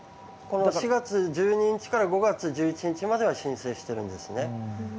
４月１２日から５月１１日までは申請してるんです。